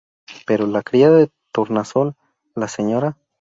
Pero la criada de Tornasol, la Sra.